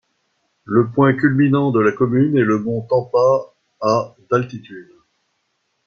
Le point culminant de la commune est le Mont Tampa à d'altitude.